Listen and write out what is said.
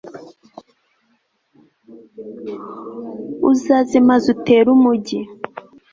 uzaze maze utere umugi